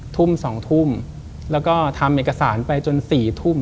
ทุ่ม๒ทุ่มแล้วก็ทำเอกสารไปจน๔ทุ่ม